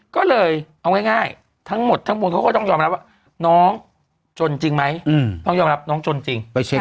ก็เลยเอาง่ายทั้งหมดทั้งมวลเขาก็ต้องยอมรับว่าน้องจนจริงไหมต้องยอมรับน้องจนจริงไปเช็ค